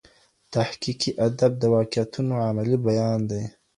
تحقیقي ادب د واقعیتونو علمي بیان دئ.